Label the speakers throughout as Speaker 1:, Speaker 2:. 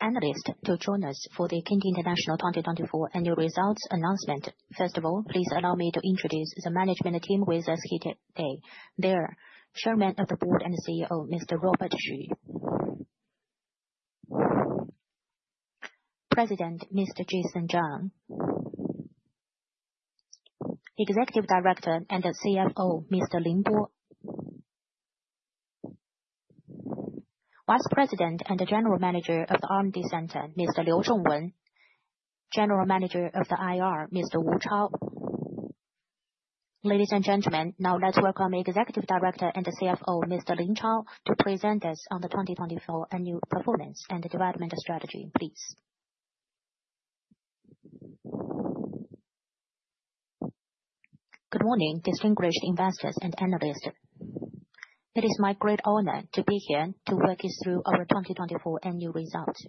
Speaker 1: Analyst to join us for the Kingdee International 2024 annual results announcement. First of all, please allow me to introduce the management team with us here today. They are: Chairman of the Board and CEO, Mr. Robert Xu; President, Mr. Jason Zhang; Executive Director and CFO, Mr. Lin Bo; Vice President and General Manager of the R&D Center, Mr. Liu Zhongwen; General Manager of the IR, Mr. Wu Chao. Ladies and gentlemen, now let's welcome Executive Director and CFO, Mr. Lin Bo, to present us on the 2024 annual performance and development strategy, please.
Speaker 2: Good morning, distinguished investors and analysts. It is my great honor to be here to walk you through our 2024 annual results.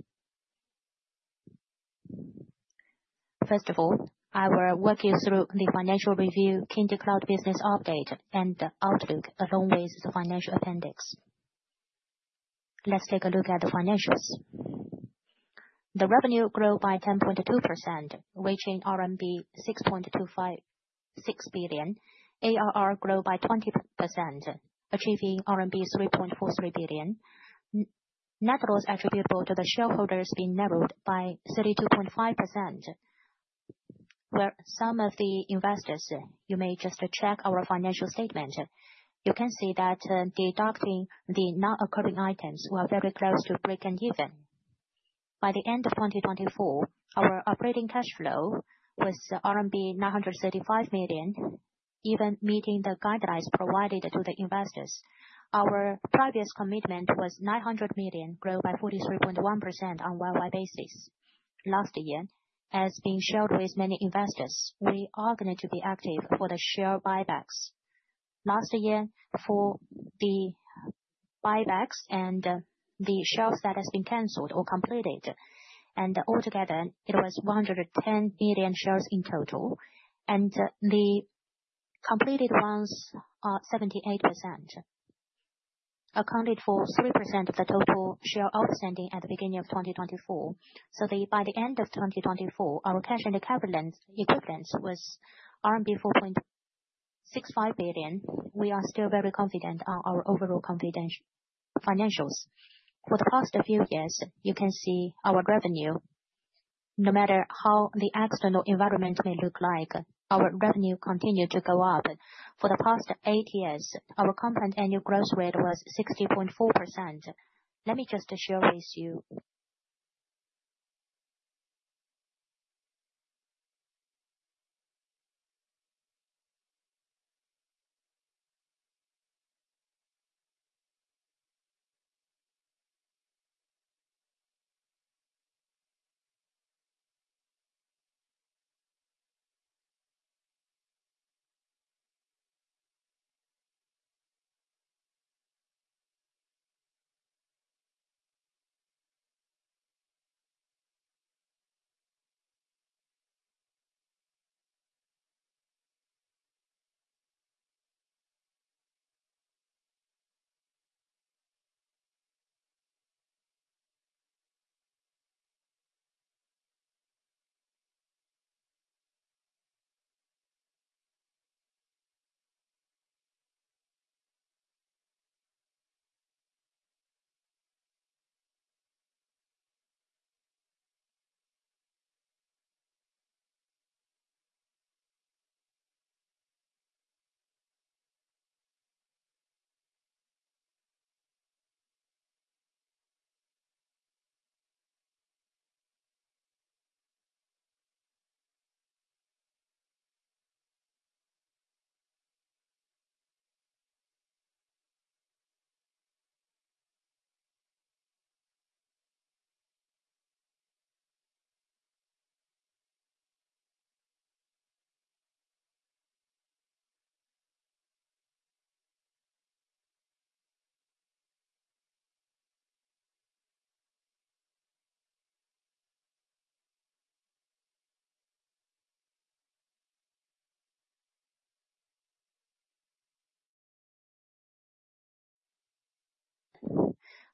Speaker 2: First of all, I will walk you through the financial review, Kingdee Cloud Business Update, and Outlook, along with the financial appendix. Let's take a look at the financials. The revenue grew by 10.2%, reaching RMB 6.256 billion. ARR grew by 20%, achieving RMB 3.43 billion. Net loss attributable to the shareholders being narrowed by 32.5%. Where some of the investors, you may just check our financial statement, you can see that deducting the non-occurring items were very close to breaking even. By the end of 2024, our operating cash flow was RMB 935 million, even meeting the guidelines provided to the investors. Our previous commitment was 900 million, grew by 43.1% on a year-by-year basis. Last year, as being shared with many investors, we are going to be active for the share buybacks. Last year, for the buybacks and the shares that have been canceled or completed, and altogether, it was 110 million shares in total, and the completed ones are 78%, accounted for 3% of the total share outstanding at the beginning of 2024. By the end of 2024, our cash and equivalents was RMB 4.65 billion. We are still very confident on our overall financials. For the past few years, you can see our revenue, no matter how the external environment may look like, our revenue continued to go up. For the past eight years, our compound annual growth rate was 60.4%. Let me just share with you.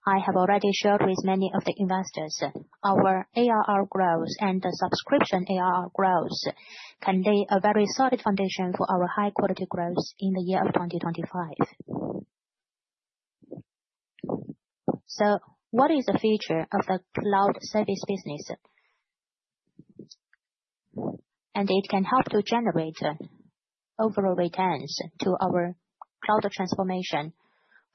Speaker 2: I have already shared with many of the investors our ARR growth and the subscription ARR growth can lay a very solid foundation for our high-quality growth in the year of 2025. What is the future of the cloud service business? It can help to generate overall returns to our cloud transformation.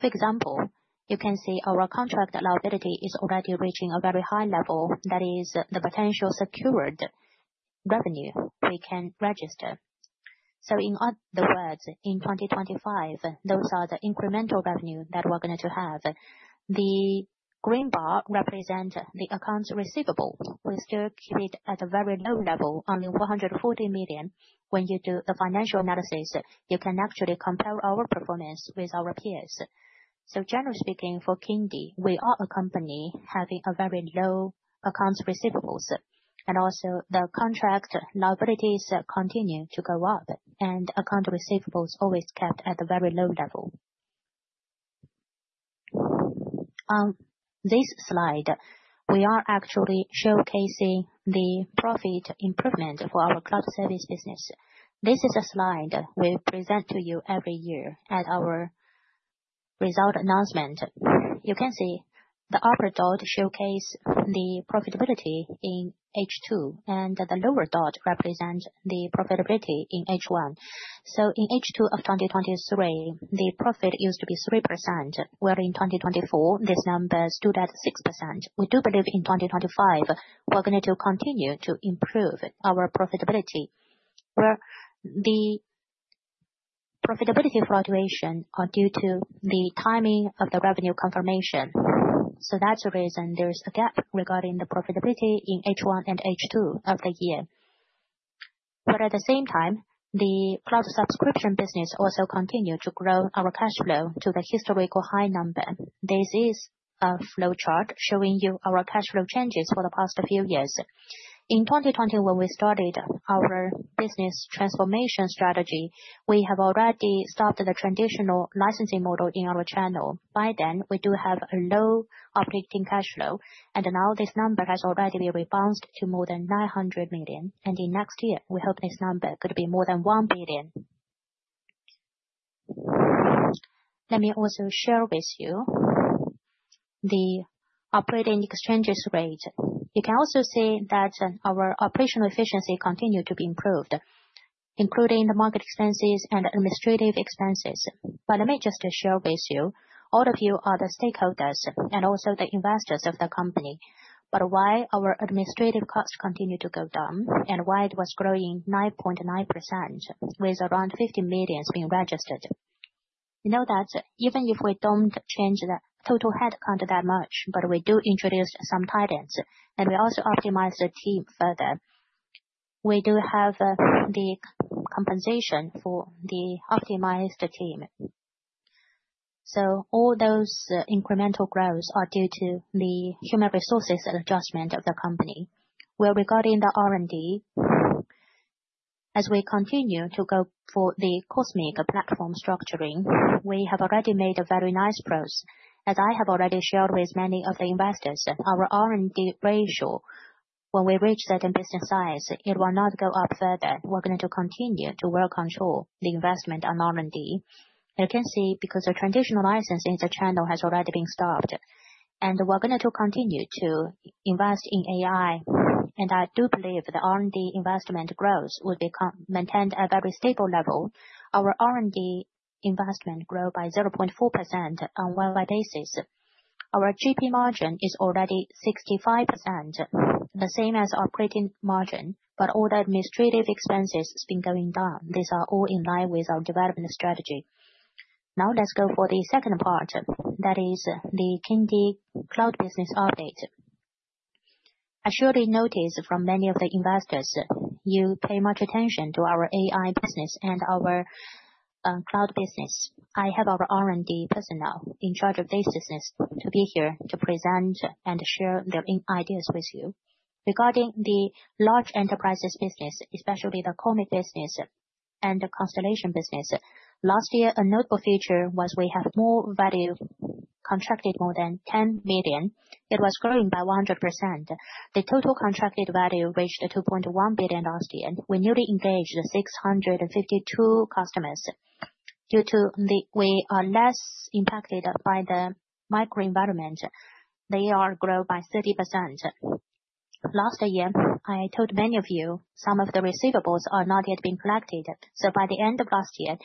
Speaker 2: For example, you can see our contract liability is already reaching a very high level. That is the potential secured revenue we can register. In other words, in 2025, those are the incremental revenue that we're going to have. The green bar represents the accounts receivable. We still keep it at a very low level, only 140 million. When you do the financial analysis, you can actually compare our performance with our peers. Generally speaking, for Kingdee, we are a company having very low accounts receivable. Also, the contract liabilities continue to go up, and accounts receivable are always kept at a very low level. On this slide, we are actually showcasing the profit improvement for our cloud service business. This is a slide we present to you every year at our result announcement. You can see the upper dot showcases the profitability in H2, and the lower dot represents the profitability in H1. In H2 of 2023, the profit used to be 3%, where in 2024, this number stood at 6%. We do believe in 2025, we're going to continue to improve our profitability, where the profitability fluctuations are due to the timing of the revenue confirmation. That is the reason there's a gap regarding the profitability in H1 and H2 of the year. At the same time, the cloud subscription business also continued to grow our cash flow to the historical high number. This is a flow chart showing you our cash flow changes for the past few years. In 2020, when we started our business transformation strategy, we have already stopped the traditional licensing model in our channel. By then, we do have a low operating cash flow, and now this number has already rebounded to more than 900 million. In next year, we hope this number could be more than 1 billion. Let me also share with you the operating exchange rate. You can also see that our operational efficiency continued to be improved, including the market expenses and administrative expenses. Let me just share with you, all of you are the stakeholders and also the investors of the company. Why do our administrative costs continue to go down, and why was it growing 9.9% with around 50 million being registered? You know that even if we do not change the total headcount that much, we do introduce some tidings, and we also optimize the team further, we do have the compensation for the optimized team. All those incremental growths are due to the human resources adjustment of the company. Where regarding the R&D, as we continue to go for the Cosmic Platform structuring, we have already made a very nice progress. As I have already shared with many of the investors, our R&D ratio, when we reach a certain business size, it will not go up further. We are going to continue to work on the investment on R&D. You can see because the traditional licensing channel has already been stopped, we are going to continue to invest in AI. I do believe the R&D investment growth would be maintained at a very stable level. Our R&D investment grew by 0.4% on a year-by-year basis. Our GP margin is already 65%, the same as our operating margin, and all the administrative expenses have been going down. These are all in line with our development strategy. Now let's go for the second part, that is the Kingdee Cloud Business Update. I surely noticed from many of the investors, you pay much attention to our AI business and our cloud business. I have our R&D personnel in charge of this business to be here to present and share their ideas with you. Regarding the large enterprises business, especially the Cosmic business and the Constellation business, last year, a notable feature was we have more value contracted more than 10 million. It was growing by 100%. The total contracted value reached 2.1 billion last year. We newly engaged 652 customers. Due to the way we are less impacted by the microenvironment, they are growing by 30%. Last year, I told many of you some of the receivables are not yet being collected. By the end of last year,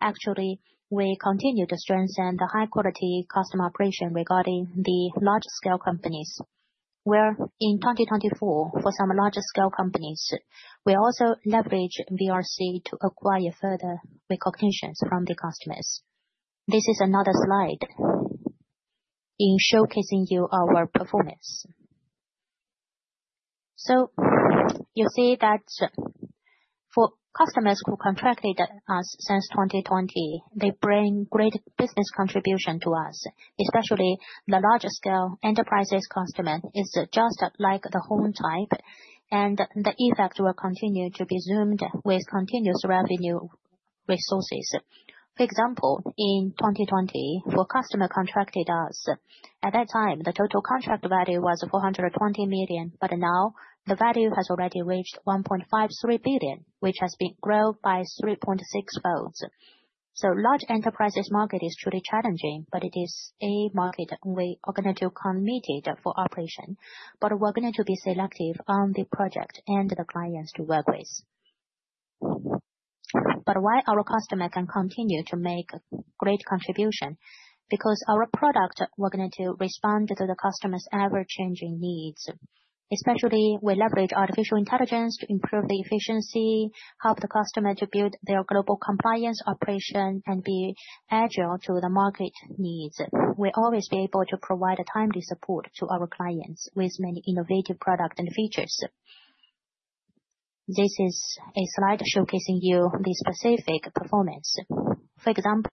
Speaker 2: actually, we continued to strengthen the high-quality customer operation regarding the large-scale companies. Where in 2024, for some large-scale companies, we also leveraged VRC to acquire further recognitions from the customers. This is another slide in showcasing you our performance. You see that for customers who contracted us since 2020, they bring great business contribution to us, especially the large-scale enterprises customers. It's just like the home type, and the effects will continue to be zoomed with continuous revenue resources. For example, in 2020, for customers contracted us, at that time, the total contract value was 420 million, but now the value has already reached 1.53 billion, which has been grown by 3.6 folds. Large enterprises market is truly challenging, but it is a market we are going to committed for operation. We're going to be selective on the project and the clients to work with. Why our customers can continue to make great contribution? Because our product will respond to the customer's ever-changing needs, especially we leverage artificial intelligence to improve the efficiency, help the customer to build their global compliance operation, and be agile to the market needs. We always are able to provide timely support to our clients with many innovative products and features. This is a slide showcasing you the specific performance. For example,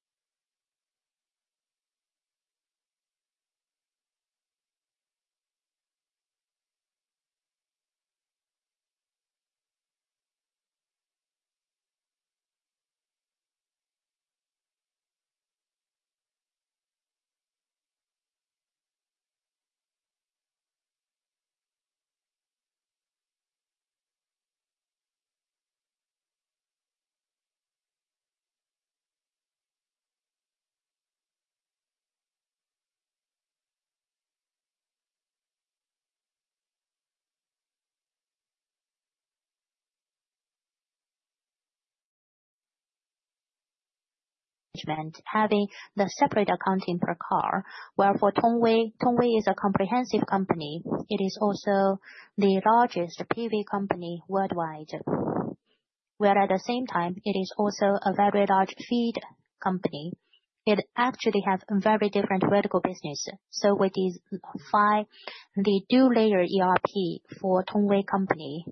Speaker 2: management having the separate accounting per car, where for Tongwei, Tongwei is a comprehensive company. It is also the largest PV company worldwide, where at the same time, it is also a very large feed company. It actually has a very different vertical business. With these five dual-layer ERPs for Tongwei Company,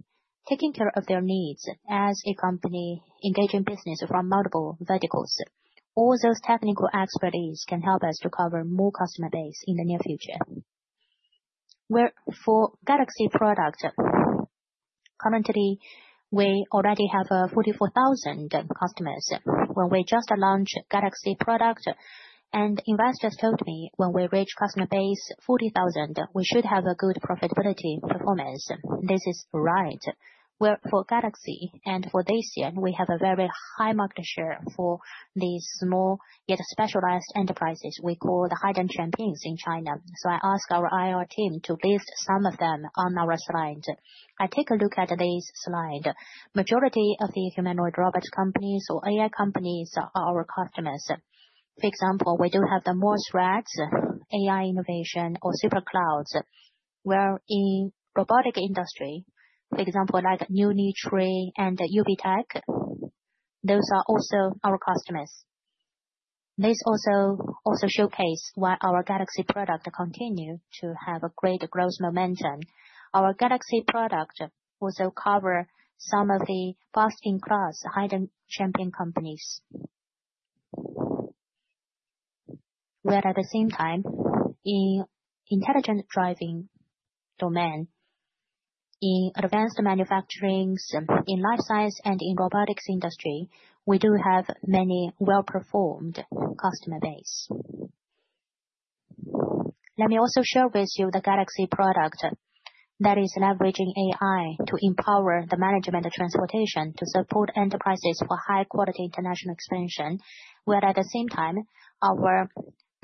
Speaker 2: taking care of their needs as a company engaging business from multiple verticals, all those technical expertise can help us to cover more customer base in the near future. Where for Galaxy product, currently, we already have 44,000 customers. When we just launched Galaxy product, and investors told me when we reach customer base 40,000, we should have a good profitability performance. This is right. Where for Galaxy, and for this year, we have a very high market share for these small yet specialized enterprises we call the hidden champions in China. I asked our IR team to list some of them on our slide. I take a look at this slide. Majority of the humanoid robot companies or AI companies are our customers. For example, we do have the Moore Threads AI innovation or Super Cloud, where in robotic industry, for example, like Unitree and UBTech, those are also our customers. This also showcases why our Galaxy product continues to have great growth momentum. Our Galaxy product also covers some of the fast-in-class hidden champion companies. Where at the same time, in intelligent driving domain, in advanced manufacturing, in life science, and in robotics industry, we do have many well-performed customer base. Let me also share with you the Galaxy product that is leveraging AI to empower the management of transportation to support enterprises for high-quality international expansion. Where at the same time, our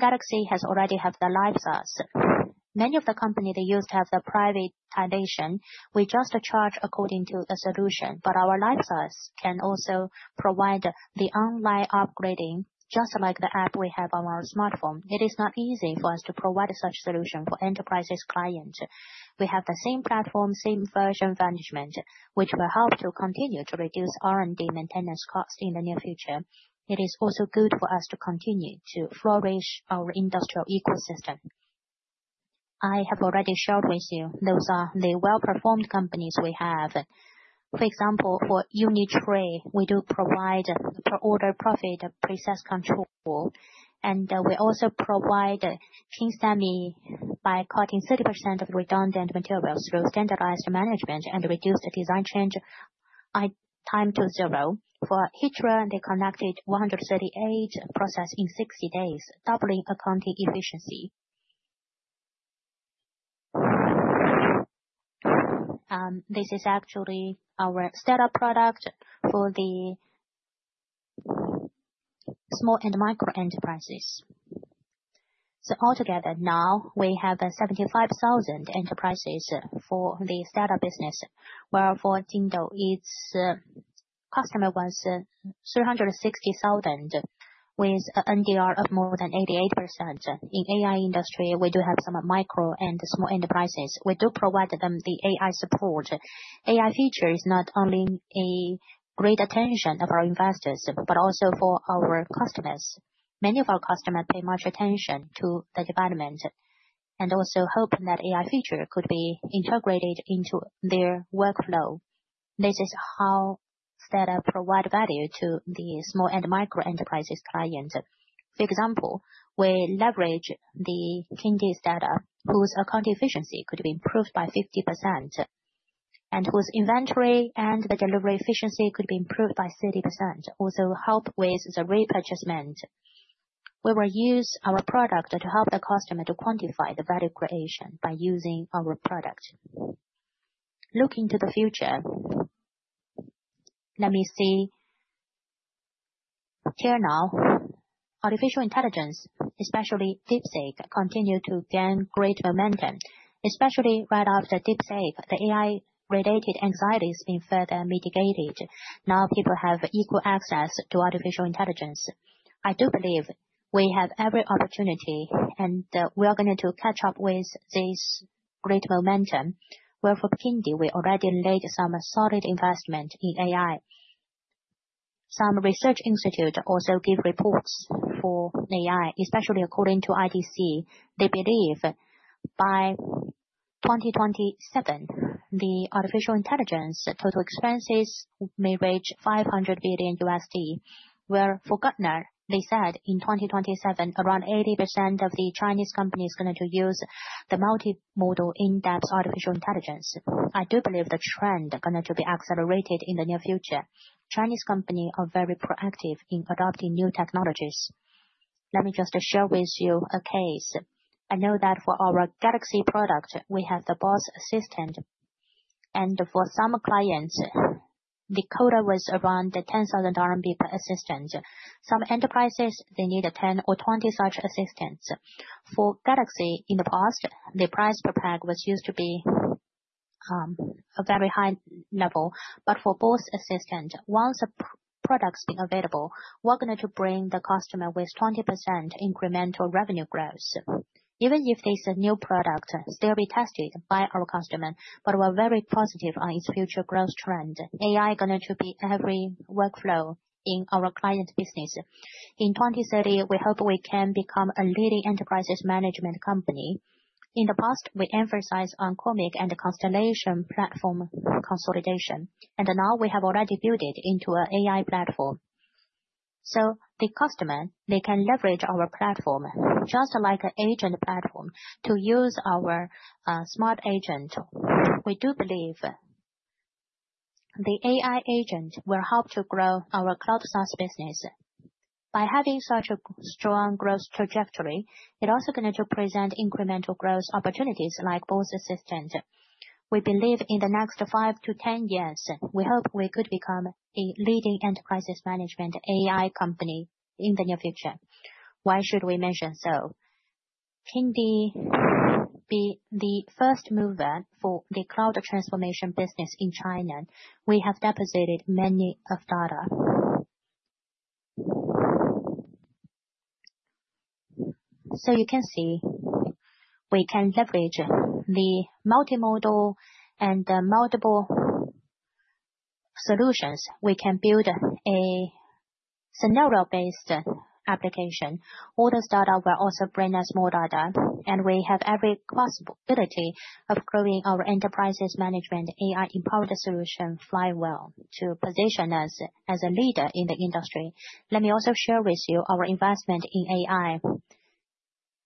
Speaker 2: Galaxy has already had the Live SaaS. Many of the companies used to have the privatization. We just charge according to the solution, but our Live SaaS can also provide the online upgrading, just like the app we have on our smartphone. It is not easy for us to provide such a solution for enterprises clients. We have the same platform, same version management, which will help to continue to reduce R&D maintenance costs in the near future. It is also good for us to continue to flourish our industrial ecosystem. I have already shared with you those are the well-performed companies we have. For example, for Unitree, we do provide per order profit process control, and we also provide Kingdee Startup by cutting 30% of redundant materials through standardized management and reduced design change time to zero. For Huitian, they connected 138 processes in 60 days, doubling accounting efficiency. This is actually our Startup product for the small and micro enterprises. Altogether, now we have 75,000 enterprises for the Startup business, where for Stellar, its customer was 360,000 with an NDR of more than 88%. In the AI industry, we do have some micro and small enterprises. We do provide them the AI support. AI feature is not only a great attention of our investors, but also for our customers. Many of our customers pay much attention to the development and also hope that AI feature could be integrated into their workflow. This is how startups provide value to the small and micro enterprises clients. For example, we leverage the Kingdee Startup, whose account efficiency could be improved by 50%, and whose inventory and the delivery efficiency could be improved by 30%, also help with the repurchasement. We will use our product to help the customer to quantify the value creation by using our product. Looking to the future, let me see here now, artificial intelligence, especially DeepSeek, continues to gain great momentum. Especially right after DeepSeek, the AI-related anxiety has been further mitigated. Now people have equal access to artificial intelligence. I do believe we have every opportunity, and we are going to catch up with this great momentum. Where for Kingdee, we already laid some solid investment in AI. Some research institutes also give reports for AI, especially according to IDC. They believe by 2027, the artificial intelligence total expenses may reach $500 billion, where for Gartner, they said in 2027, around 80% of the Chinese companies are going to use the multimodal in-depth artificial intelligence. I do believe the trend is going to be accelerated in the near future. Chinese companies are very proactive in adopting new technologies. Let me just share with you a case. I know that for our Galaxy product, we have the Boss Assistant, and for some clients, the quota was around 10,000 RMB per assistant. Some enterprises, they need 10 or 20 such assistants. For Galaxy, in the past, the price per pack was used to be a very high level, but for Boss Assistant, once the product has been available, we're going to bring the customer with 20% incremental revenue growth. Even if this new product is still being tested by our customers, but we're very positive on its future growth trend. AI is going to be every workflow in our client business. In 2030, we hope we can become a leading enterprise management company. In the past, we emphasized on Cosmic and Constellation platform consolidation, and now we have already built it into an AI platform. The customer, they can leverage our platform, just like an agent platform, to use our smart agent. We do believe the AI agent will help to grow our cloud source business. By having such a strong growth trajectory, it's also going to present incremental growth opportunities like Boss Assistant. We believe in the next five to ten years, we hope we could become a leading enterprise management AI company in the near future. Why should we mention so? Kingdee will be the first mover for the cloud transformation business in China. We have deposited many of data. You can see we can leverage the multimodal and multiple solutions. We can build a scenario-based application. All those data will also bring us more data, and we have every possibility of growing our enterprise management AI empowered solution fly well to position us as a leader in the industry. Let me also share with you our investment in AI.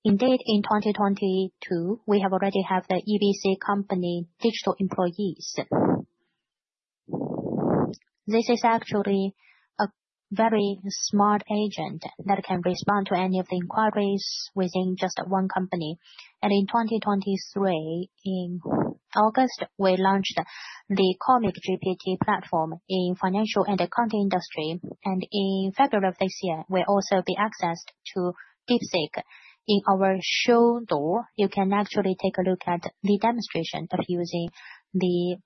Speaker 2: Indeed, in 2022, we have already had the EBC company, Digital Employees. This is actually a very smart agent that can respond to any of the inquiries within just one company. In 2023, in August, we launched the Cosmic GPT platform in the financial and accounting industry. In February of this year, we will also be accessed to DeepSeek. In our showroom, you can actually take a look at the demonstration of using the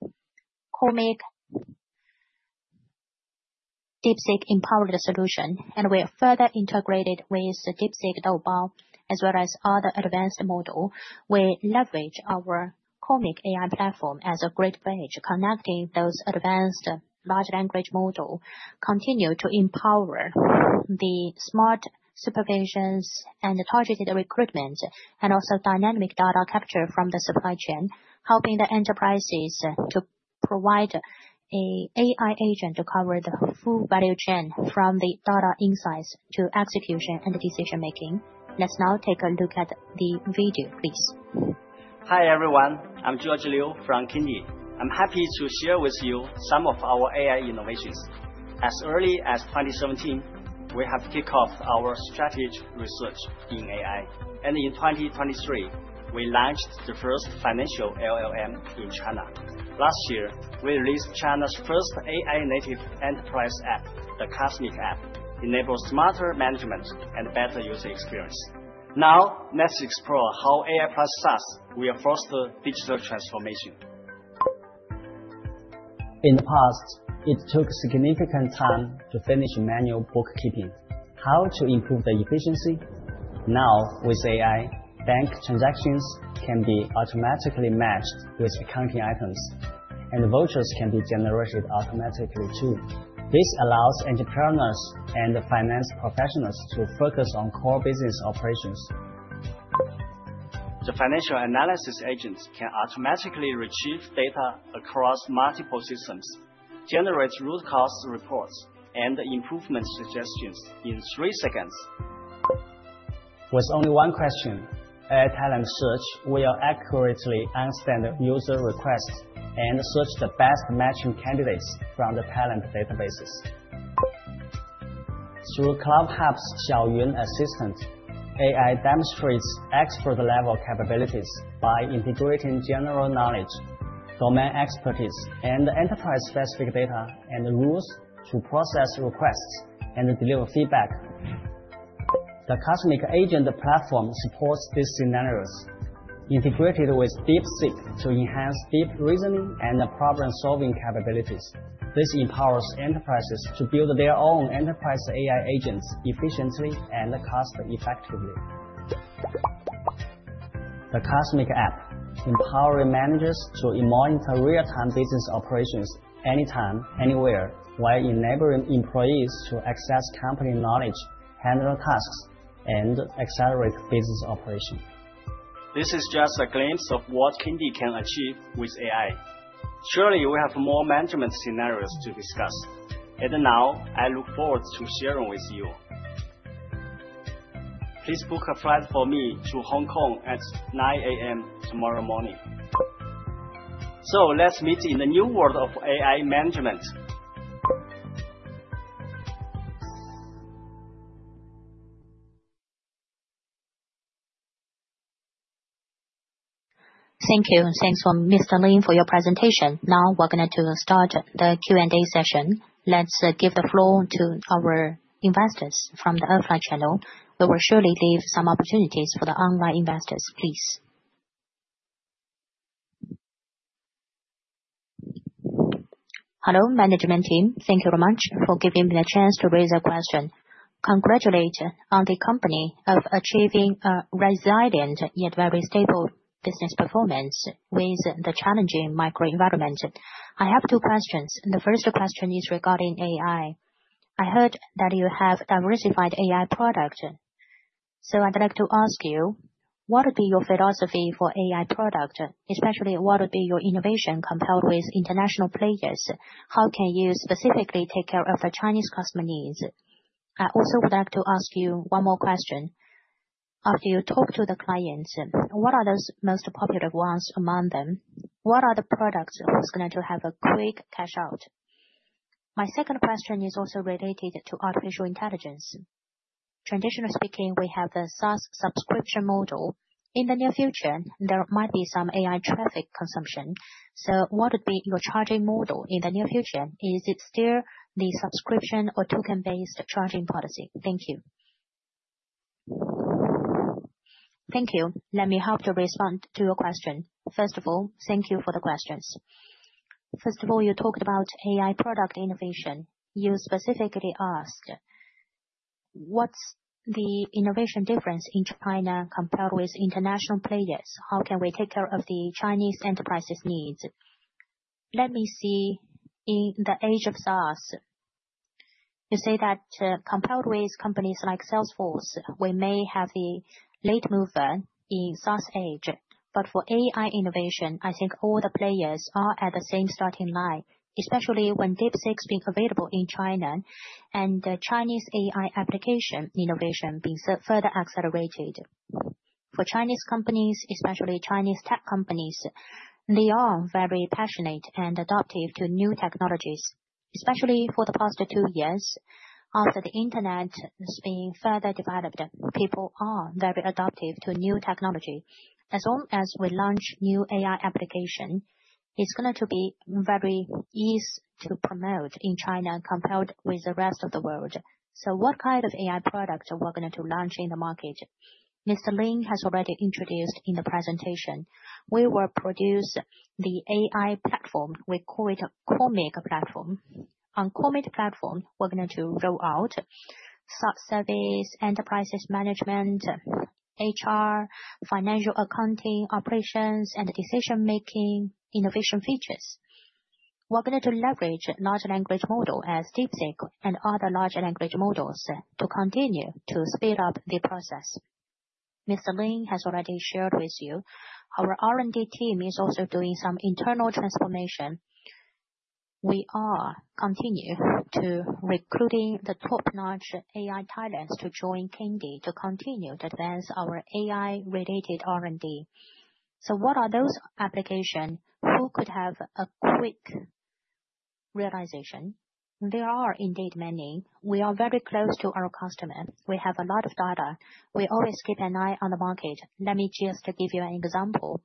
Speaker 2: Cosmic DeepSeek empowered solution. We have further integrated with the DeepSeek, Doubao, as well as other advanced models. We leverage our Cosmic AI platform as a great bridge, connecting those advanced large language models, continue to empower the smart supervisions and targeted recruitment, and also dynamic data capture from the supply chain, helping the enterprises to provide an AI agent to cover the full value chain from the data insights to execution and decision-making. Let's now take a look at the video, please.
Speaker 3: Hi everyone, I'm George Liu from Kingdee. I'm happy to share with you some of our AI innovations. As early as 2017, we have kicked off our strategic research in AI. In 2023, we launched the first financial LLM in China. Last year, we released China's first AI-native enterprise app, the Cosmic App, enabling smarter management and better user experience. Now, let's explore how AI plus SaaS will foster digital transformation. In the past, it took significant time to finish manual bookkeeping. How to improve the efficiency? Now, with AI, bank transactions can be automatically matched with accounting items, and vouchers can be generated automatically too. This allows entrepreneurs and finance professionals to focus on core business operations. The financial analysis agents can automatically retrieve data across multiple systems, generate root cause reports, and improvement suggestions in three seconds. With only one question, AI talent search will accurately understand user requests and search the best matching candidates from the talent databases. Through CloudHub's Xiaoyun Assistant, AI demonstrates expert-level capabilities by integrating general knowledge, domain expertise, and enterprise-specific data and rules to process requests and deliver feedback. The Cosmic Agent platform supports these scenarios, integrated with DeepSeek to enhance deep reasoning and problem-solving capabilities. This empowers enterprises to build their own enterprise AI agents efficiently and cost-effectively. The Cosmic App empowers managers to monitor real-time business operations anytime, anywhere, while enabling employees to access company knowledge, handle tasks, and accelerate business operations. This is just a glimpse of what Kingdee can achieve with AI. Surely, we have more management scenarios to discuss. I look forward to sharing with you. Please book a flight for me to Hong Kong at 9:00 A.M. tomorrow morning. Let's meet in the new world of AI management.
Speaker 1: Thank you. Thanks to Mr. Lin for your presentation. Now we're going to start the Q&A session. Let's give the floor to our investors from the offline channel. We will surely leave some opportunities for the online investors, please.
Speaker 4: Hello, management team. Thank you very much for giving me the chance to raise a question. Congratulations on the company achieving a resilient yet very stable business performance with the challenging microenvironment. I have two questions. The first question is regarding AI. I heard that you have diversified AI products. I'd like to ask you, what would be your philosophy for AI products? Especially, what would be your innovation compared with international players? How can you specifically take care of the Chinese customer needs? I also would like to ask you one more question. After you talk to the clients, what are those most popular ones among them? What are the products who are going to have a quick cash out? My second question is also related to artificial intelligence. Traditionally speaking, we have the SaaS subscription model. In the near future, there might be some AI traffic consumption. What would be your charging model in the near future? Is it still the subscription or token-based charging policy? Thank you.
Speaker 5: Thank you. Let me help to respond to your question. First of all, thank you for the questions. First of all, you talked about AI product innovation. You specifically asked, what's the innovation difference in China compared with international players? How can we take care of the Chinese enterprises' needs? Let me see. In the age of SaaS, you say that compared with companies like Salesforce, we may have the late mover in SaaS age. For AI innovation, I think all the players are at the same starting line, especially when DeepSeek's been available in China and the Chinese AI application innovation being further accelerated. For Chinese companies, especially Chinese tech companies, they are very passionate and adaptive to new technologies, especially for the past two years. After the internet has been further developed, people are very adaptive to new technology. As long as we launch new AI applications, it's going to be very easy to promote in China compared with the rest of the world. What kind of AI products are we going to launch in the market? Mr. Lin has already introduced in the presentation. We will produce the AI platform. We call it a Cosmic platform. On Cosmic Platform, we're going to roll out SaaS service, enterprise management, HR, financial accounting operations, and decision-making innovation features. We're going to leverage large language models as DeepSeek and other large language models to continue to speed up the process. Mr. Lin has already shared with you. Our R&D team is also doing some internal transformation. We are continuing to recruit the top-notch AI talents to join Kingdee to continue to advance our AI-related R&D. What are those applications? Who could have a quick realization? There are indeed many. We are very close to our customers. We have a lot of data. We always keep an eye on the market. Let me just give you an example.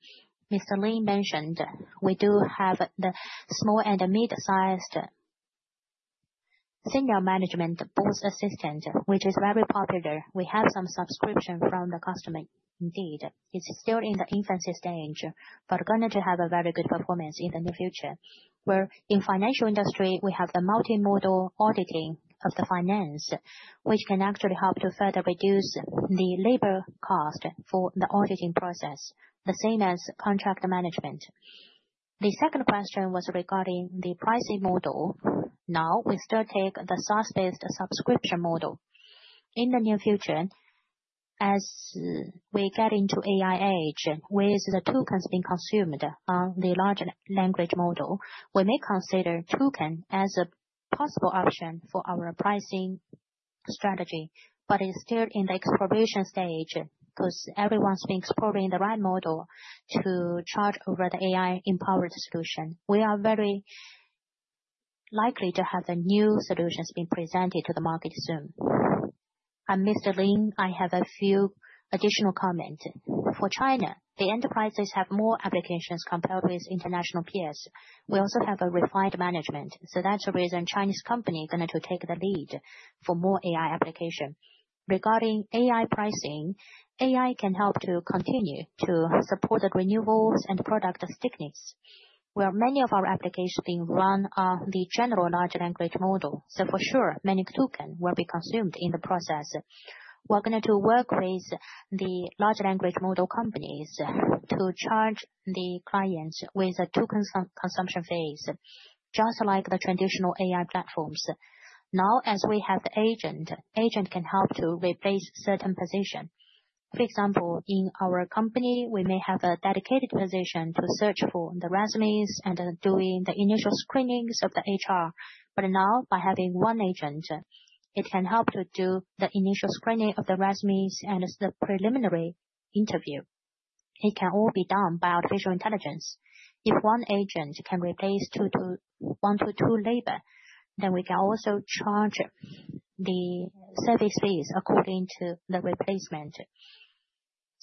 Speaker 5: Mr. Lin mentioned we do have the small and mid-sized senior management Boss Assistant, which is very popular. We have some subscription from the customer, indeed. It's still in the infancy stage, but we're going to have a very good performance in the near future. Where in the financial industry, we have the multimodal auditing of the finance, which can actually help to further reduce the labor cost for the auditing process, the same as contract management. The second question was regarding the pricing model. Now, we still take the SaaS-based subscription model. In the near future, as we get into AI age, with the tokens being consumed on the large language model, we may consider token as a possible option for our pricing strategy, but it's still in the exploration stage because everyone's been exploring the right model to charge over the AI-empowered solution. We are very likely to have new solutions being presented to the market soon.
Speaker 6: Mr. Lin, I have a few additional comments. For China, the enterprises have more applications compared with international peers. We also have a refined management. That is the reason Chinese companies are going to take the lead for more AI applications. Regarding AI pricing, AI can help to continue to support the renewables and product stickiness. Where many of our applications are being run on the general large language model. For sure, many tokens will be consumed in the process. We are going to work with the large language model companies to charge the clients with a token consumption phase, just like the traditional AI platforms. Now, as we have the agent, the agent can help to replace certain positions. For example, in our company, we may have a dedicated position to search for the resumes and doing the initial screenings of the HR. Now, by having one agent, it can help to do the initial screening of the resumes and the preliminary interview. It can all be done by artificial intelligence. If one agent can replace one to two laborers, then we can also charge the service fees according to the replacement.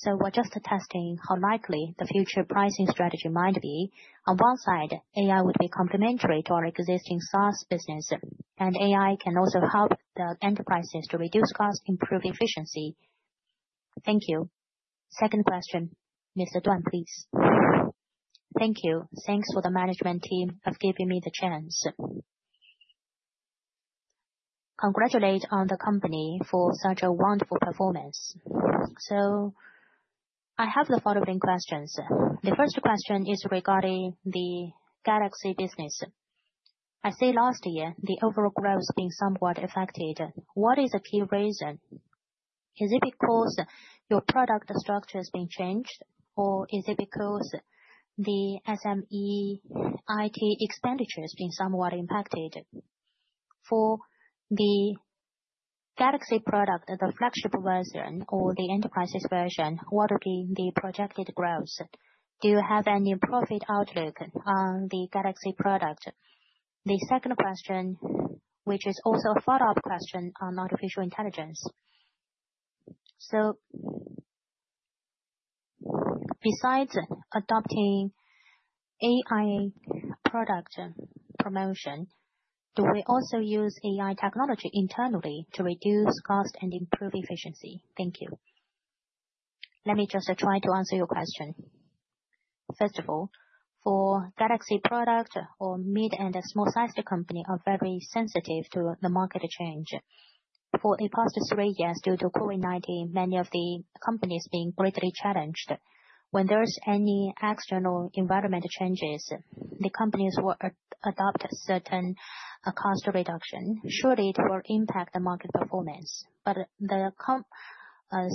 Speaker 6: We are just testing how likely the future pricing strategy might be. On one side, AI would be complementary to our existing SaaS business, and AI can also help the enterprises to reduce costs, improve efficiency. Thank you. Second question, Mr. Duan, please.
Speaker 4: Thank you. Thanks for the management team for giving me the chance. Congratulations on the company for such a wonderful performance. I have the following questions. The first question is regarding the Galaxy business. I see last year the overall growth being somewhat affected. What is the key reason? Is it because your product structure has been changed, or is it because the SME IT expenditure has been somewhat impacted? For the Galaxy product, the flagship version or the enterprise version, what would be the projected growth? Do you have any profit outlook on the Galaxy product? The second question, which is also a follow-up question on artificial intelligence. Besides adopting AI product promotion, do we also use AI technology internally to reduce costs and improve efficiency? Thank you.
Speaker 5: Let me just try to answer your question. First of all, for Galaxy products or mid and small-sized companies, they are very sensitive to the market change. For the past three years, due to COVID-19, many of the companies have been greatly challenged. When there are any external environmental changes, the companies will adopt certain cost reductions. Surely, it will impact the market performance. The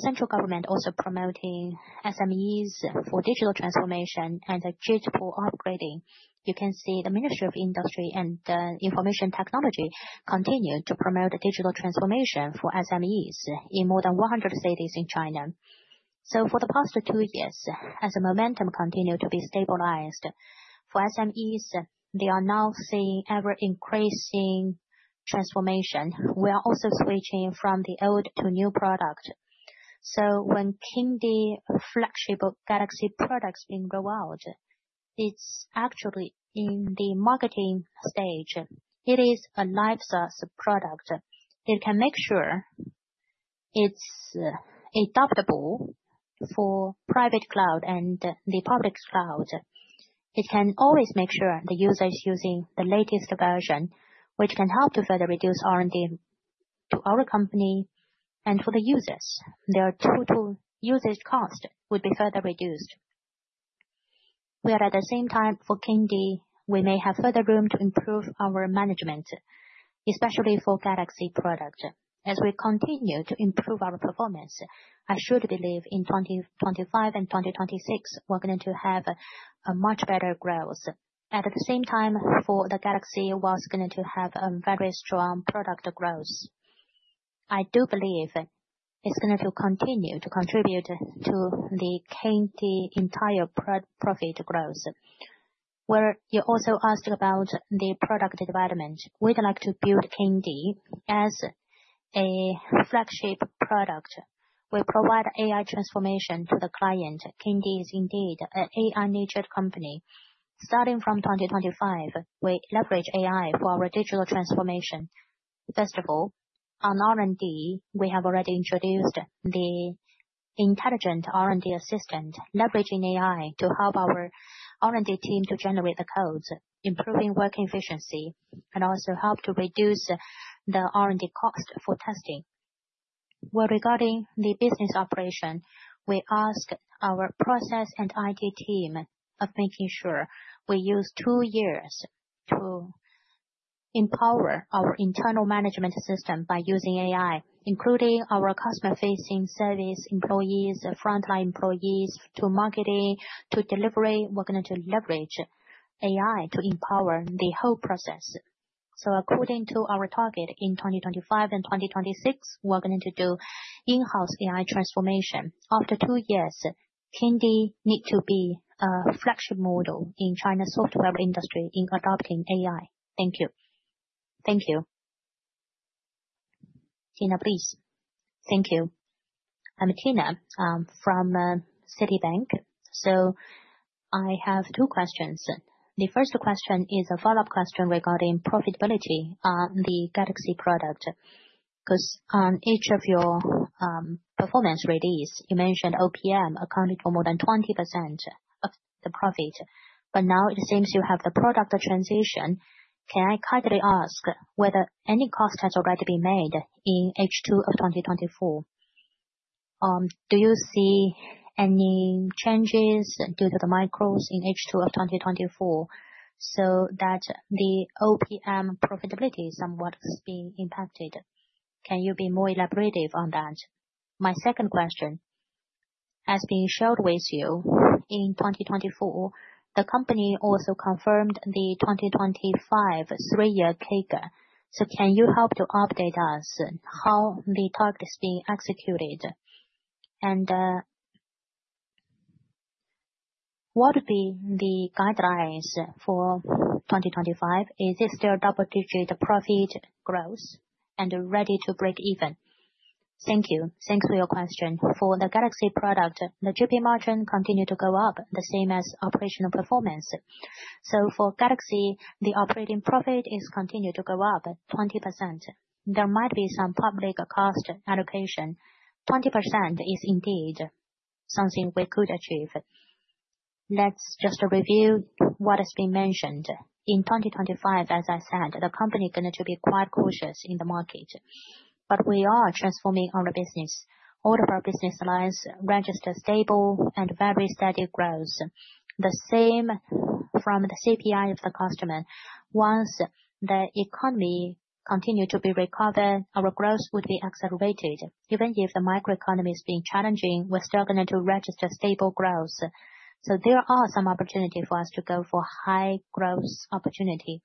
Speaker 5: central government is also promoting SMEs for digital transformation and digital upgrading. You can see the Ministry of Industry and Information Technology continuing to promote digital transformation for SMEs in more than 100 cities in China. For the past two years, as the momentum continued to be stabilized for SMEs, they are now seeing ever-increasing transformation. We are also switching from the old to new products. When Kingdee's flagship Galaxy product has been rolled out, it's actually in the marketing stage. It is a live SaaS product. It can make sure it's adaptable for private cloud and the public cloud. It can always make sure the user is using the latest version, which can help to further reduce R&D to our company and for the users. Their total usage cost would be further reduced. Where at the same time, for Kingdee, we may have further room to improve our management, especially for Galaxy products. As we continue to improve our performance, I should believe in 2025 and 2026, we're going to have a much better growth. At the same time, for the Galaxy, we're going to have a very strong product growth. I do believe it's going to continue to contribute to the Kingdee entire profit growth. Where you also asked about the product development, we'd like to build Kingdee as a flagship product. We provide AI transformation to the client. Kingdee is indeed an AI-natured company. Starting from 2025, we leverage AI for our digital transformation. First of all, on R&D, we have already introduced the intelligent R&D assistant, leveraging AI to help our R&D team to generate the codes, improving work efficiency, and also help to reduce the R&D cost for testing. Where regarding the business operation, we asked our process and IT team to make sure we use two years to empower our internal management system by using AI, including our customer-facing service, employees, frontline employees, to marketing, to delivery. We are going to leverage AI to empower the whole process. According to our target in 2025 and 2026, we are going to do in-house AI transformation. After two years, Kingdee needs to be a flagship model in China's software industry in adopting AI. Thank you. Thank you. Tina, please.
Speaker 7: Thank you. I'm Tina from Citibank. I have two questions. The first question is a follow-up question regarding profitability on the Galaxy product. Because on each of your performance releases, you mentioned OPM accounted for more than 20% of the profit. Now it seems you have the product transition. Can I kindly ask whether any cost has already been made in H2 of 2024? Do you see any changes due to the micros in H2 of 2024 so that the OPM profitability somewhat has been impacted? Can you be more elaborative on that? My second question has been shared with you. In 2024, the company also confirmed the 2025 three-year cake. So can you help to update us on how the target is being executed? And what would be the guidelines for 2025? Is it still double-digit profit growth and ready to break even? Thank you.
Speaker 5: Thanks for your question. For the Galaxy product, the GP margin continued to go up, the same as operational performance. For Galaxy, the operating profit is continuing to go up 20%. There might be some public cost allocation. 20% is indeed something we could achieve. Let's just review what has been mentioned. In 2025, as I said, the company is going to be quite cautious in the market. We are transforming our business. All of our business lines register stable and very steady growth. The same from the CPI of the customer. Once the economy continues to be recovered, our growth would be accelerated. Even if the microeconomy is being challenging, we're still going to register stable growth. There are some opportunities for us to go for high growth opportunity.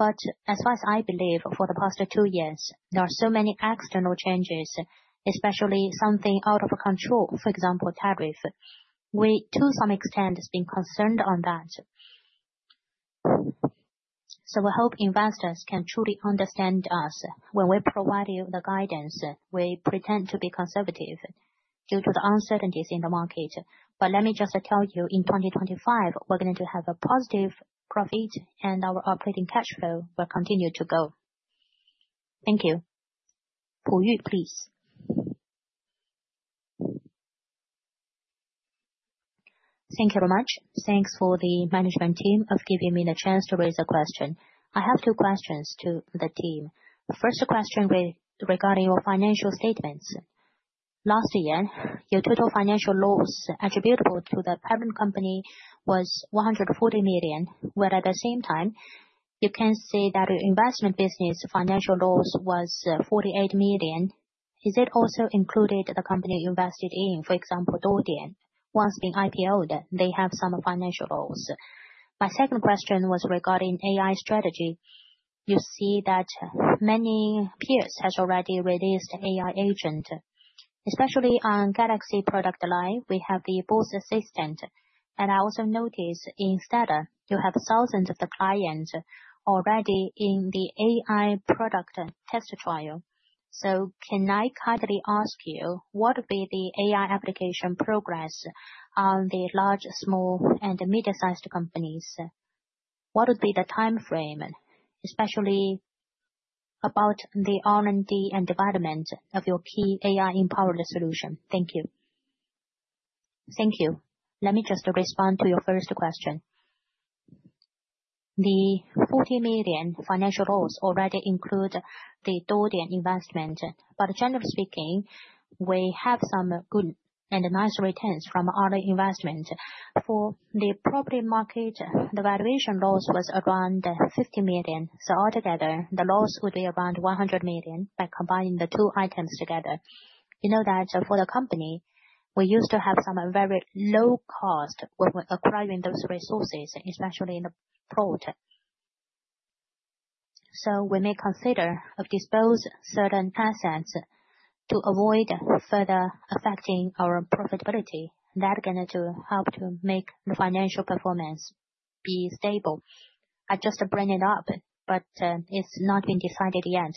Speaker 5: As far as I believe, for the past two years, there are so many external changes, especially something out of control, for example, tariff. We, to some extent, have been concerned on that. We hope investors can truly understand us when we provide you the guidance. We pretend to be conservative due to the uncertainties in the market. Let me just tell you, in 2025, we're going to have a positive profit, and our operating cash flow will continue to go. Thank you.
Speaker 1: Po Yue, please.
Speaker 8: Thank you very much. Thanks for the management team for giving me the chance to raise a question. I have two questions to the team. First question regarding your financial statements. Last year, your total financial loss attributable to the parent company was 140 million, where at the same time, you can see that your investment business financial loss was 48 million. Is it also included the company you invested in, for example, Duolian? Once being IPOed, they have some financial loss. My second question was regarding AI strategy. You see that many peers have already released AI agents. Especially on Galaxy product line, we have the Boss Assistant. I also noticed in Stellar, you have thousands of the clients already in the AI product test trial. Can I kindly ask you, what would be the AI application progress on the large, small, and mid-sized companies? What would be the time frame, especially about the R&D and development of your key AI-empowered solution? Thank you.
Speaker 5: Thank you. Let me just respond to your first question. The 40 million financial loss already includes the Do Lian investment. Generally speaking, we have some good and nice returns from our investment. For the property market, the valuation loss was around 50 million. Altogether, the loss would be around 100 million by combining the two items together. You know that for the company, we used to have some very low cost when we're acquiring those resources, especially in the port. We may consider or dispose of certain assets to avoid further affecting our profitability. That is going to help to make the financial performance be stable. I just bring it up, but it has not been decided yet.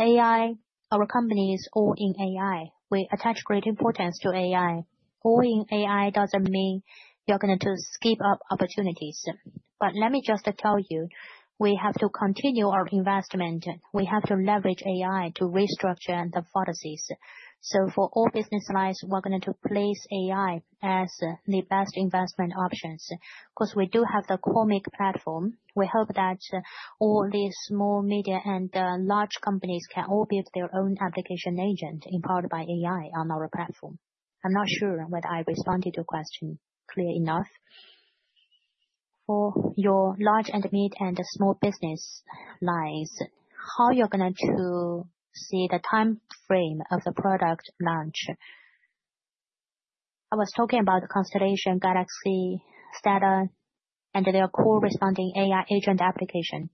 Speaker 5: AI, our company is all in AI. We attach great importance to AI. All in AI does not mean you are going to skip up opportunities. Let me just tell you, we have to continue our investment. We have to leverage AI to restructure the policies. For all business lines, we are going to place AI as the best investment options. Because we do have the Cosmic Platform, we hope that all these small, medium, and large companies can all build their own application agent empowered by AI on our platform. I am not sure whether I responded to your question clearly enough. For your large and mid and small business lines, how are you going to see the time frame of the product launch? I was talking about Constellation, Galaxy, Stellar, and their corresponding AI agent application.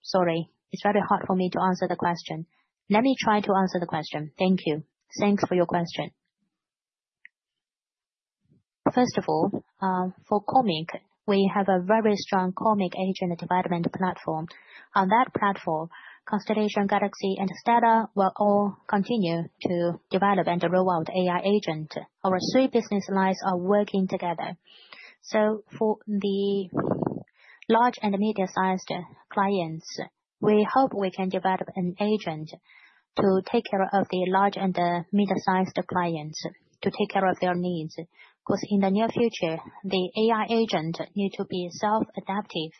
Speaker 5: Sorry, it's very hard for me to answer the question. Let me try to answer the question.
Speaker 8: Thank you.
Speaker 9: Thanks for your question. First of all, for Cosmic, we have a very strong Cosmic agent development platform. On that platform, Constellation, Galaxy, and Stellar will all continue to develop and roll out AI agents. Our three business lines are working together. For the large and mid-sized clients, we hope we can develop an agent to take care of the large and mid-sized clients, to take care of their needs. Because in the near future, the AI agent needs to be self-adaptive.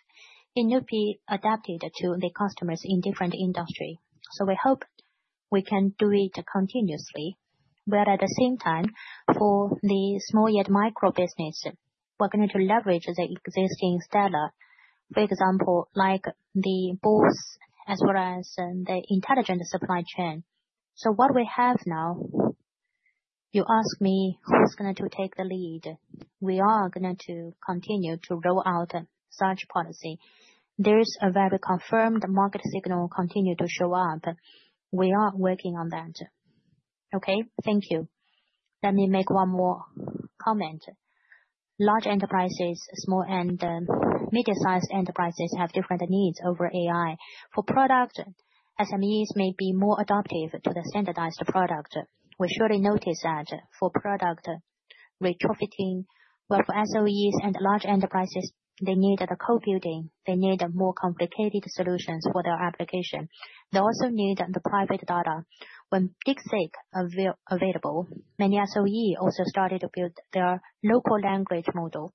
Speaker 9: It needs to be adapted to the customers in different industries. We hope we can do it continuously. At the same time, for the small yet micro business, we're going to leverage the existing Stellar. For example, like the boss as well as the intelligent supply chain. What we have now, you ask me who's going to take the lead. We are going to continue to roll out such policy. There's a very confirmed market signal continuing to show up. We are working on that. Okay, thank you. Let me make one more comment. Large enterprises, small and mid-sized enterprises have different needs over AI. For product, SMEs may be more adaptive to the standardized product. We surely notice that for product, retrofitting, where for SOEs and large enterprises, they need the code building. They need more complicated solutions for their application. They also need the private data. When DeepSeek available, many SOEs also started to build their local language model.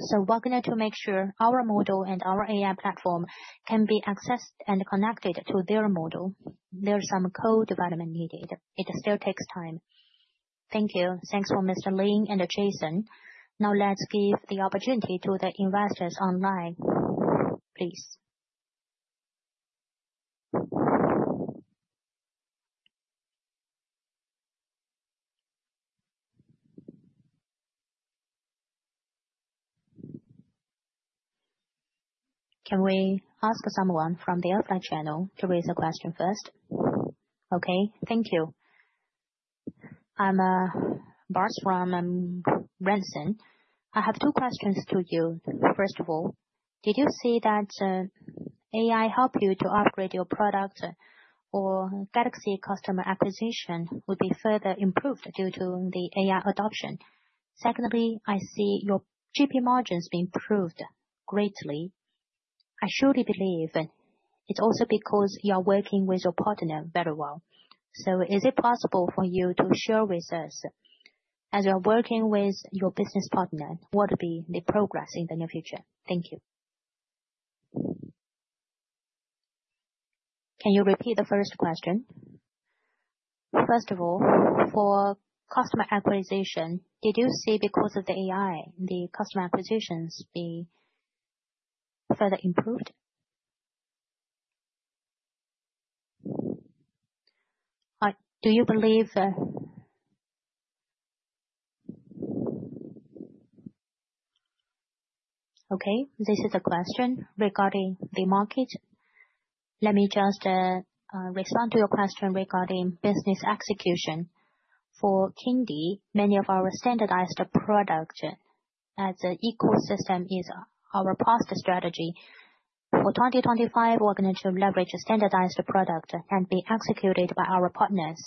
Speaker 9: We are going to make sure our model and our AI platform can be accessed and connected to their model. There is some code development needed. It still takes time. Thank you. Thanks for Mr. Lin and Jason. Now let's give the opportunity to the investors online, please. Can we ask someone from the other channel to raise a question first?
Speaker 10: Okay, thank you. I'm Bart from Bernstein. I have two questions to you. First of all, did you see that AI helped you to upgrade your product or Galaxy customer acquisition would be further improved due to the AI adoption? Secondly, I see your GP margins have improved greatly. I surely believe it's also because you are working with your partner very well. Is it possible for you to share with us as you're working with your business partner what would be the progress in the near future? Thank you.
Speaker 5: Can you repeat the first question?
Speaker 10: First of all, for customer acquisition, did you see because of the AI, the customer acquisitions be further improved?
Speaker 5: Do you believe okay, this is the question regarding the market. Let me just respond to your question regarding business execution. For Kingdee, many of our standardized products as an ecosystem is our past strategy. For 2025, we're going to leverage a standardized product and be executed by our partners.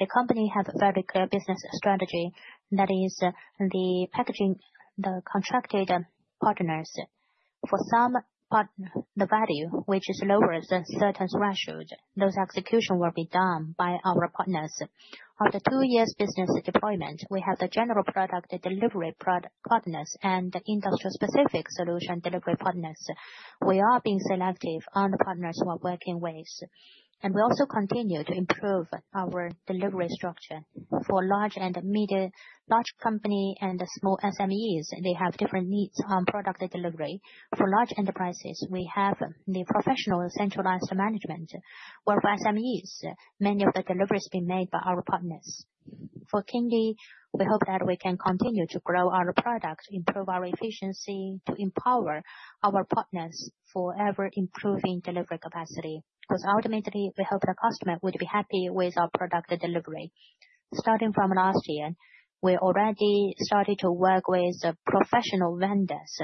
Speaker 5: The company has a very clear business strategy that is the packaging. The contracted partners. For some partners, the value, which is lower than a certain threshold, those executions will be done by our partners. After two years' business deployment, we have the general product delivery partners and the industrial-specific solution delivery partners. We are being selective on the partners we're working with. We also continue to improve our delivery structure. For large and mid-large companies and small SMEs, they have different needs on product delivery. For large enterprises, we have the professional centralized management. Where for SMEs, many of the deliveries have been made by our partners. For Kingdee, we hope that we can continue to grow our product, improve our efficiency to empower our partners for ever-improving delivery capacity. Because ultimately, we hope the customer would be happy with our product delivery. Starting from last year, we already started to work with professional vendors.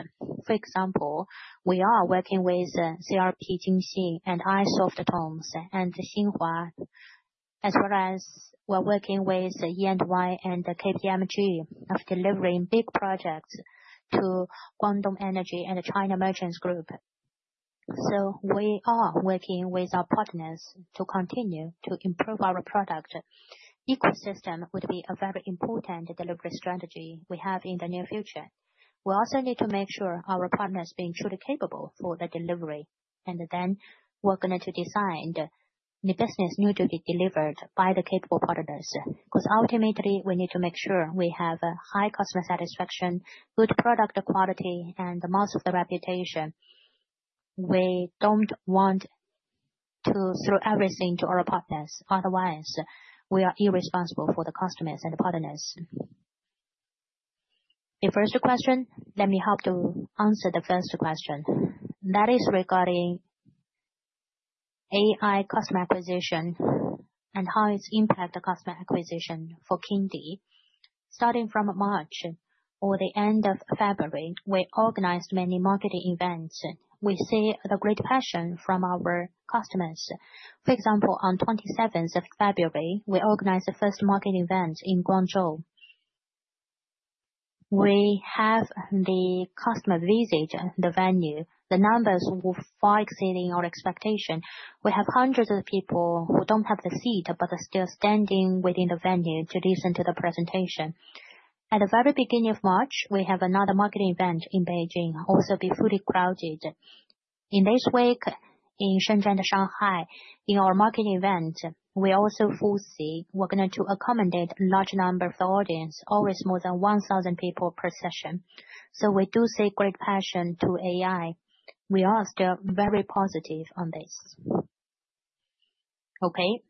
Speaker 5: For example, we are working with CRRC Jingxing and iSoftStone and Xinhua, as well as we're working with E&Y and KPMG of delivering big projects to Guangdong Energy and China Merchants Group. We are working with our partners to continue to improve our product. Ecosystem would be a very important delivery strategy we have in the near future. We also need to make sure our partners have been truly capable for the delivery. We are going to decide the business needs to be delivered by the capable partners. Because ultimately, we need to make sure we have high customer satisfaction, good product quality, and most of the reputation. We do not want to throw everything to our partners. Otherwise, we are irresponsible for the customers and the partners.
Speaker 6: The first question, let me help to answer the first question. That is regarding AI customer acquisition and how it's impacting customer acquisition for Kingdee. Starting from March or the end of February, we organized many marketing events. We see the great passion from our customers. For example, on 27th of February, we organized the first marketing event in Guangzhou. We have the customer visit in the venue. The numbers were far exceeding our expectations. We have hundreds of people who do not have the seat but are still standing within the venue to listen to the presentation. At the very beginning of March, we have another marketing event in Beijing, also be fully crowded. In this week, in Shenzhen and Shanghai, in our marketing event, we also foresee we are going to accommodate a large number of the audience, always more than 1,000 people per session. We do see great passion to AI. We are still very positive on this.
Speaker 1: Okay,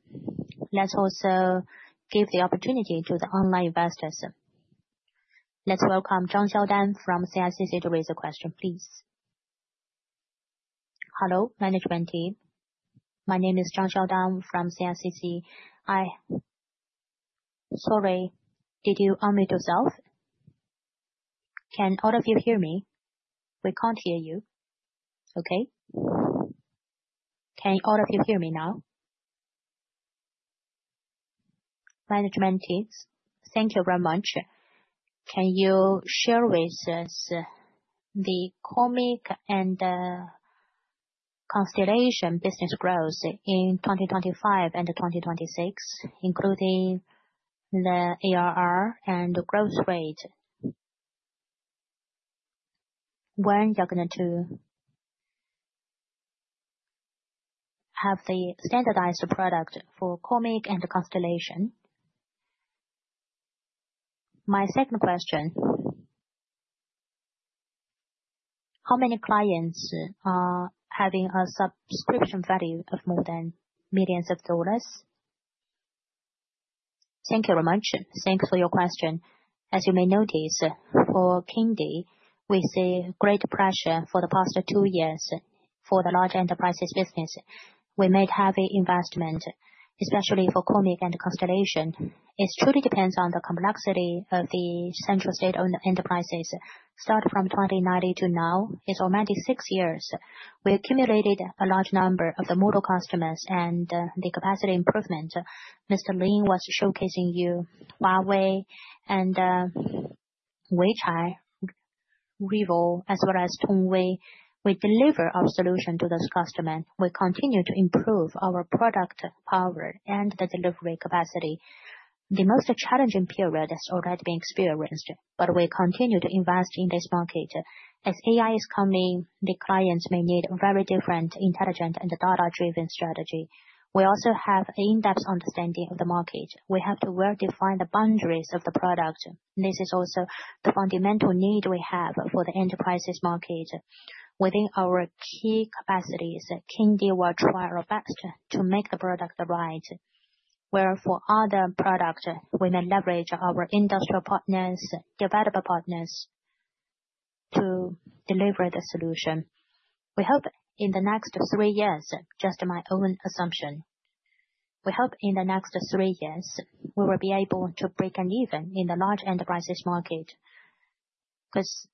Speaker 1: let's also give the opportunity to the online investors. Let's welcome Zhang Xiaodan from CICC to raise a question, please.
Speaker 11: Hello, management team. My name is Zhang Xiaodan from CICC.
Speaker 1: Sorry, did you unmute yourself?
Speaker 11: Can all of you hear me?
Speaker 1: We can't hear you.
Speaker 11: Okay. Can all of you hear me now? Management team, thank you very much. Can you share with us the Cosmic and Constellation business growth in 2025 and 2026, including the ARR and growth rate? When you're going to have the standardized product for Cosmic and Constellation? My second question, how many clients are having a subscription value of more than millions of dollars? Thank you very much.
Speaker 5: Thanks for your question. As you may notice, for Kingdee, we see great pressure for the past two years for the large enterprises business. We made heavy investment, especially for Cosmic and Constellation. It truly depends on the complexity of the central state-owned enterprises. Starting from 2019 to now, it's already six years. We accumulated a large number of the model customers and the capacity improvement. Mr. Lin was showcasing you, Huawei and Weichai, Revo, as well as Tongwei. We deliver our solution to those customers. We continue to improve our product power and the delivery capacity. The most challenging period has already been experienced, but we continue to invest in this market. As AI is coming, the clients may need a very different intelligent and data-driven strategy. We also have an in-depth understanding of the market. We have to well define the boundaries of the product. This is also the fundamental need we have for the enterprises market. Within our key capacities, Kingdee will try our best to make the product right, where for other products, we may leverage our industrial partners, developer partners to deliver the solution. We hope in the next three years, just my own assumption, we hope in the next three years, we will be able to break even in the large enterprises market. Because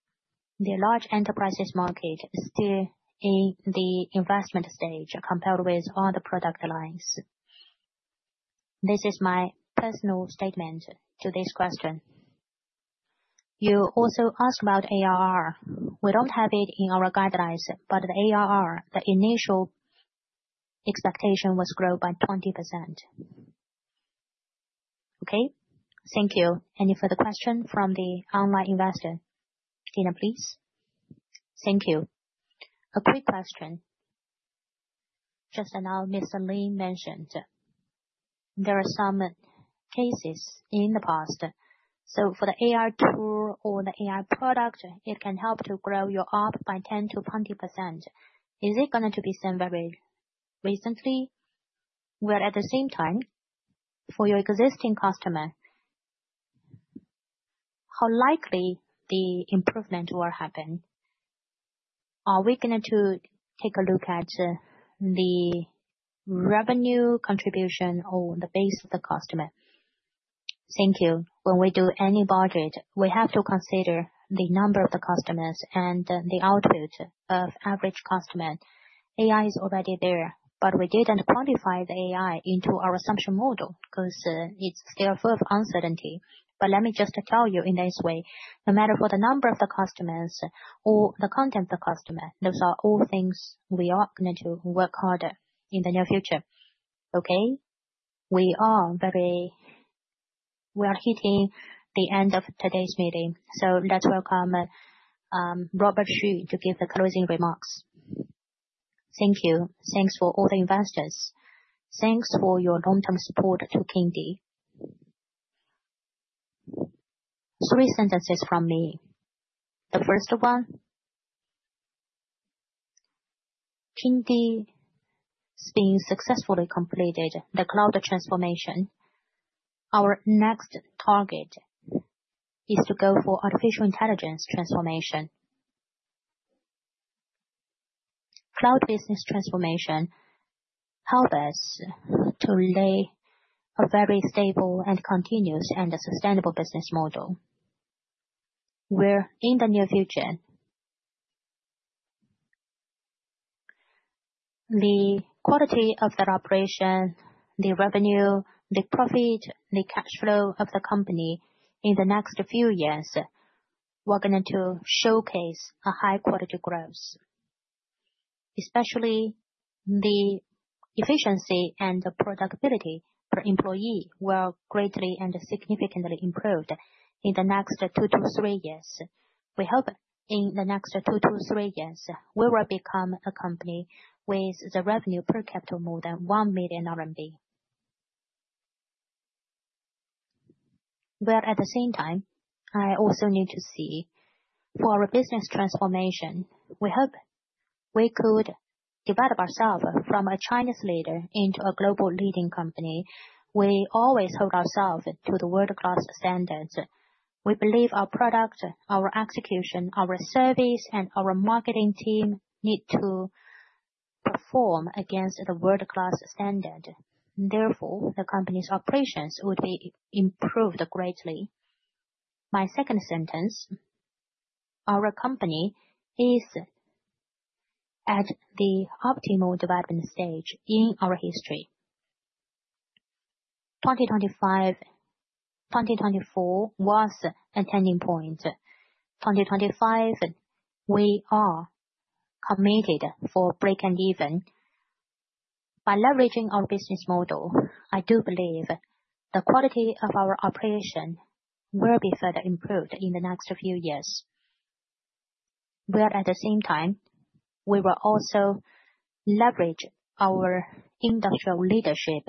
Speaker 5: the large enterprises market is still in the investment stage compared with all the product lines. This is my personal statement to this question. You also asked about ARR. We do not have it in our guidelines, but the ARR, the initial expectation was grown by 20%.
Speaker 11: Okay, thank you. Any further questions from the online investor? Tina, please.
Speaker 12: Thank you. A quick question. Just now, Mr. Lin mentioned there are some cases in the past. For the AR tool or the AR product, it can help to grow your OPM by 10%-20%. Is it going to be seen very recently? Where at the same time, for your existing customer, how likely the improvement will happen? Are we going to take a look at the revenue contribution or the base of the customer? Thank you.
Speaker 5: When we do any budget, we have to consider the number of the customers and the output of average customer. AI is already there, but we did not quantify the AI into our assumption model because it is still full of uncertainty. Let me just tell you in this way, no matter for the number of the customers or the content of the customer, those are all things we are going to work harder in the near future. We are hitting the end of today's meeting.
Speaker 13: Let's welcome Robert Xu to give the closing remarks. Thank you. Thanks for all the investors. Thanks for your long-term support to Kingdee. Three sentences from me. The first one, Kingdee has been successfully completed the cloud transformation. Our next target is to go for artificial intelligence transformation. Cloud business transformation helps us to lay a very stable and continuous and sustainable business model. Where in the near future, the quality of the operation, the revenue, the profit, the cash flow of the company in the next few years, we're going to showcase a high-quality growth. Especially the efficiency and the productivity per employee will greatly and significantly improve in the next two to three years. We hope in the next two to three years, we will become a company with the revenue per capita more than 1 million RMB. Where at the same time, I also need to see for our business transformation, we hope we could develop ourselves from a Chinese leader into a global leading company. We always hold ourselves to the world-class standards. We believe our product, our execution, our service, and our marketing team need to perform against the world-class standard. Therefore, the company's operations would be improved greatly. My second sentence, our company is at the optimal development stage in our history. 2025, 2024 was a turning point. 2025, we are committed for breaking even by leveraging our business model. I do believe the quality of our operation will be further improved in the next few years. Where at the same time, we will also leverage our industrial leadership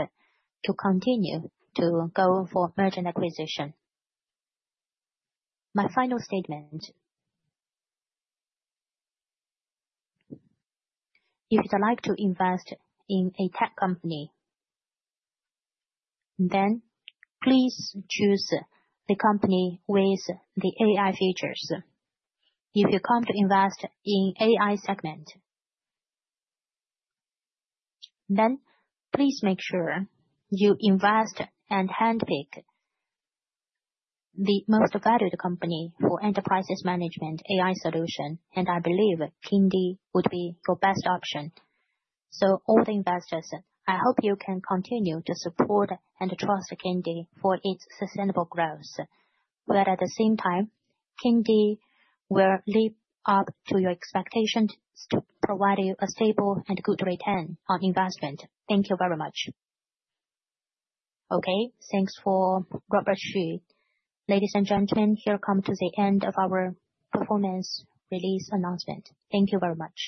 Speaker 13: to continue to go for mergers and acquisitions. My final statement, if you'd like to invest in a tech company, then please choose the company with the AI features. If you come to invest in AI segment, then please make sure you invest and handpick the most valued company for enterprise management AI solution. I believe Kingdee would be your best option. All the investors, I hope you can continue to support and trust Kingdee for its sustainable growth. At the same time, Kingdee will live up to your expectations to provide you a stable and good return on investment. Thank you very much.
Speaker 1: Okay, thanks for Robert Xu. Ladies and gentlemen, here comes the end of our performance release announcement. Thank you very much.